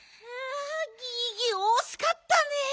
ギギおしかったねえ。